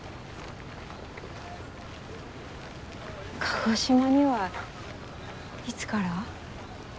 鹿児島にはいつから？